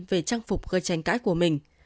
về trang phục gây tranh cãi của mình